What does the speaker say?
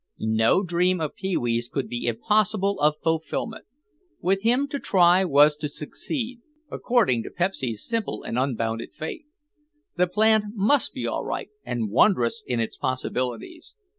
No dream of Pee wee's could be impossible of fulfillment. With him, to try was to succeed, according to Pepsy's simple and unbounded faith. The plan must be all right, and wondrous in its possibilities.